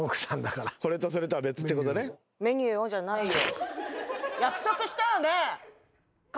「メニューを」じゃないよ。